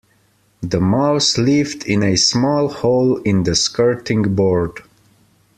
The mouse lived in a small hole in the skirting board